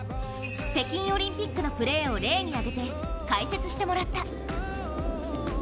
北京オリンピックのプレーを例に上げて、解説してもらった。